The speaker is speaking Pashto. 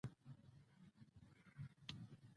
چې زموږ لارې بېلېږي